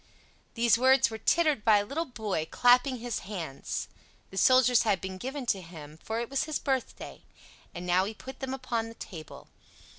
These words were tittered by a little boy, clapping his hands; the soldiers had been given to him, for it was his birthday; and now he put them upon the table.